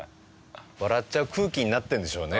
笑っちゃう空気になってるんでしょうね